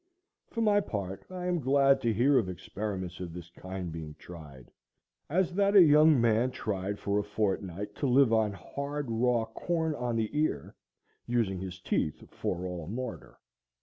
For my part, I am glad to hear of experiments of this kind being tried; as that a young man tried for a fortnight to live on hard, raw corn on the ear, using his teeth for all mortar.